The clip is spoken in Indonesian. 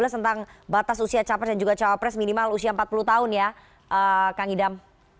tentang batas usia capres dan juga cawapres minimal usia empat puluh tahun ya kang idam